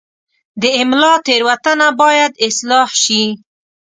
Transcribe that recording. د املا تېروتنه باید اصلاح شي.